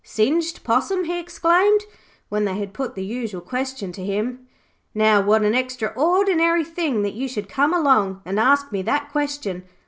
'Singed possum,' he exclaimed, when they had put the usual question to him. 'Now, what an extraordinary thing that you should come along and ask me that question.